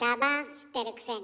知ってるくせに。